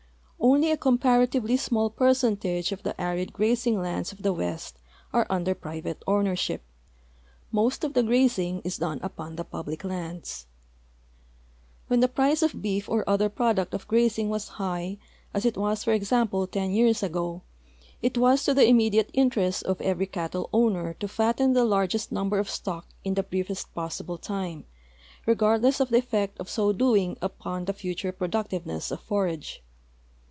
Only a comparative!}' small percentage of the ari<l grazing lands of the west are under private ownership. Most of the 404 THE SAGE PLAINS OF OREGON grazing is done upon the public lands. When the price of beef or other product of grazing was high, as it was, for example, ten years ago, it was to the immediate interest of every cattle owner to fatten the largest number of stock in the briefest possible time, regardless of the effect of so doing upon the future pro ductiveness of forage.